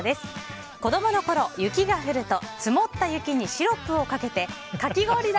子供のころ雪が降ると積もった雪にシロップをかけてかき氷だ！